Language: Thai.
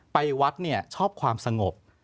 ไปวัดเนี่ยชอบความสงบ